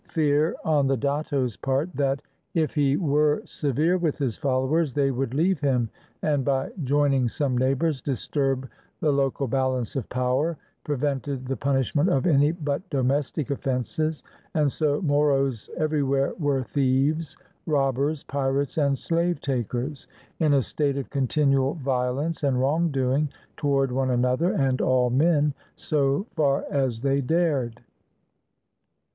Fear on the datto's part that, if he were severe with his followers, they would leave him and, by joining some neighbors, disturb 543 ISLANDS OF THE PACIFIC the local balance of power, prevented the punishment of any but domestic offenses; and so Moros everywhere were thieves, robbers, pirates, and slave takers, in a state of continual violence and wrong doing toward one another and all men, so far as they dared.